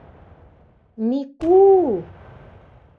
— Мику-у!